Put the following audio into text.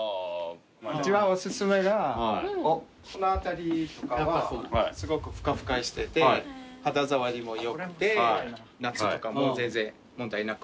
一番お薦めがこの辺りとかはすごくふかふかしてて肌触りもよくて夏とかも全然問題なく。